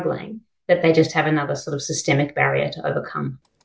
bahwa mereka hanya memiliki baris sistemik lain untuk dihafaskan